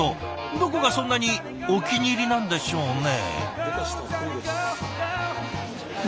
どこがそんなにお気に入りなんでしょうね？